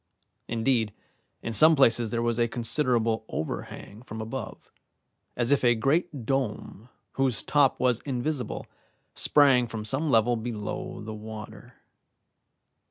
Indeed, in some places there was a considerable overhang from above, as if a great dome whose top was invisible sprang from some level below the water.